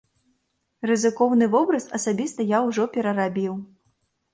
Рызыкоўны вобраз асабіста я ўжо перарабіў.